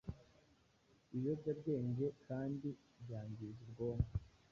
Ibiyobyabwenge kandi byangiza ubwonko